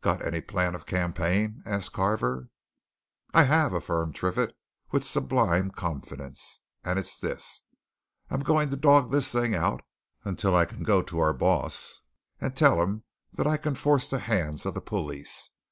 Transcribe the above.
"Got any plan of campaign?" asked Carver. "I have!" affirmed Triffitt with sublime confidence. "And it's this I'm going to dog this thing out until I can go to our boss and tell him that I can force the hands of the police!